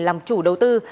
làm chủ đầu tư